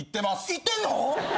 行ってんの！？